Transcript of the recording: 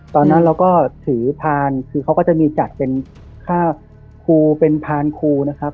ตอนนั้นเราก็ถือพานคือเขาก็จะมีจัดเป็นค่าครูเป็นพานครูนะครับ